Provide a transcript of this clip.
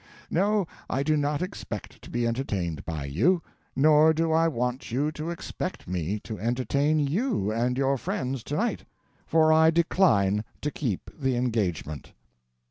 No, I do not expect to be entertained by you, nor do I want you to expect me to entertain you and your friends to night, for I decline to keep the engagement."